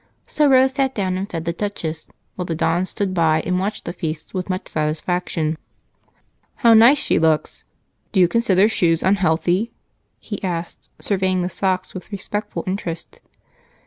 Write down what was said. So Rose sat down and fed the Duchess while the Don stood by and watched the feast with much satisfaction. "How nice she looks! Do you consider shoes unhealthy?" he asked, surveying the socks with respectful interest.